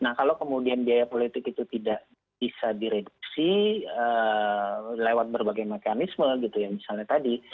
nah kalau kemudian biaya politik itu tidak bisa direduksi lewat berbagai mekanisme gitu ya misalnya tadi